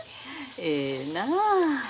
ええなあ。